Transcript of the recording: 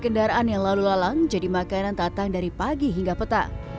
beberapa hari pencapaian tiru tersebut